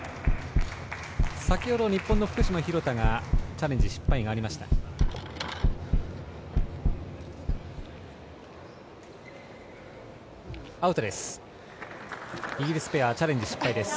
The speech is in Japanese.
先ほど日本の福島、廣田がチャレンジ失敗がありました。